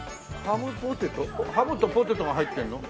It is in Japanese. ハムとポテトが入ってるの？